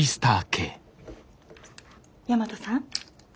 大和さん？